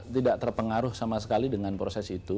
tidak terpengaruh sama sekali dengan proses itu